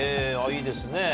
いいですね。